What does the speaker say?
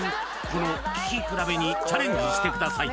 この聴き比べにチャレンジしてください